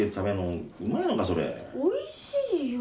おいしいよ。